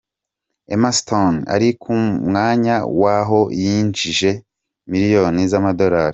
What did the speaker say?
Emma Stone ari ku mwanya wa aho yinjije miliyoni z’amadolari.